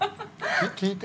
聞いて。